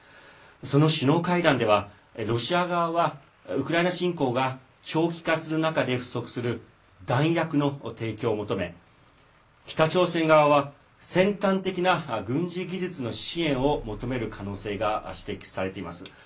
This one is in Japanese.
その首脳会談では、ロシア側はウクライナ侵攻が長期化する中で不足する弾薬の提供を求め北朝鮮側は先端的な軍事技術の支援を求める可能性が指摘されています。